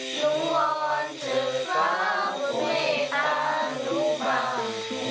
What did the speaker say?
อยู่วันเจอกล้าบนเมฆารู้ป่า